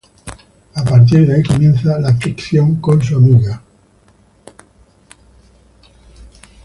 A partir de ahí comienza la fricción con su amiga.